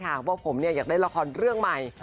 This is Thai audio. เพราะว่าผมเนี่ยอยากได้ละครเรื่องใหม่